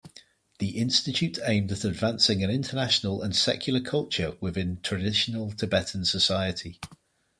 The institute aimed at advancing an international and secular culture within traditional Tibetan society.